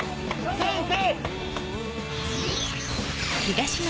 先生！